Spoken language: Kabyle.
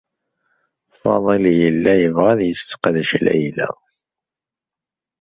Faḍil yella yebɣa ad yesseqdec Layla.